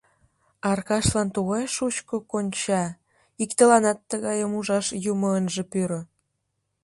Аркашлан тугай шучко конча — иктыланат тыгайым ужаш Юмо ынже пӱрӧ!